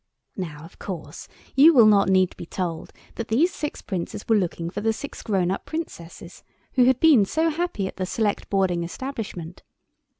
Now, of course, you will not need to be told that these six Princes were looking for the six grown up Princesses who had been so happy at the Select Boarding Establishment.